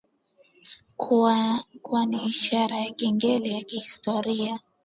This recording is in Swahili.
kuwa ni ishara ya kengele ya kihistoria